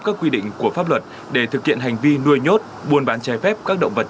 các quy định của pháp luật để thực hiện hành vi nuôi nhốt buôn bán trái phép các động vật